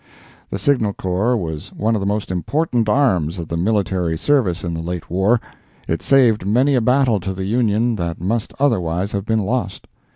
The signal Corps was one of the most important arms of the military service in the late war. It saved many a battle to the Union that must otherwise have been lost.